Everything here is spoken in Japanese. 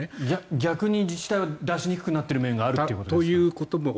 逆に自治体は出しにくくなっている面があるということですか。